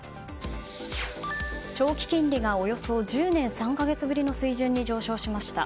長期金利がおよそ１０年３か月ぶりの水準に上昇しました。